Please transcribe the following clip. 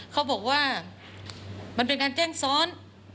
เขาบอกว่ามันเป็นการแจ้งซ้อน